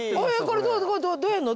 どうやんの？